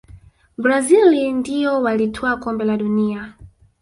brazil ndio walitwaa kombe la dunia